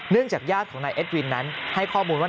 จากญาติของนายเอ็ดวินนั้นให้ข้อมูลว่า